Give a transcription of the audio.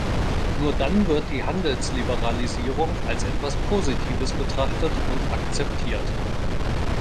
Nur dann wird die Handelsliberalisierung als etwas Positives betrachtet und akzeptiert.